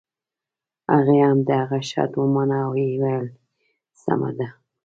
هغې هم د هغه شرط ومانه او ويې ويل سمه ده.